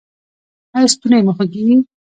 ایا ستونی مو خوږیږي؟